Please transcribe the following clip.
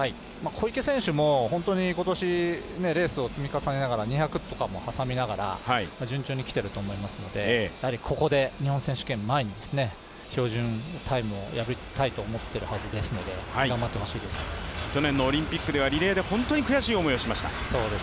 小池選手も今年、レースを積み重ねながら２００とかも挟みながら順調にきていると思いますのでここで日本選手権前に標準タイムを破りたいと思ってるはずですので去年のオリンピックではリレーで本当に悔しい思いをしました。